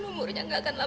apa penyakit aisyah